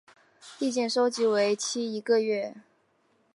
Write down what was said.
意见收集为期一个月。